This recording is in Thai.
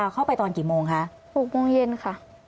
เข้าไปตอนกี่โมงคะ๖โมงเย็นค่ะ